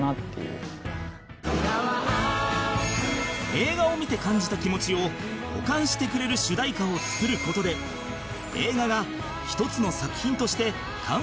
映画を見て感じた気持ちを補完してくれる主題歌を作る事で映画が一つの作品として完成するのだという